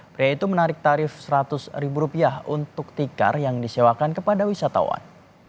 pria itu menarik tarif seratus ribu rupiah untuk tikar yang disewakan kepada wisatawan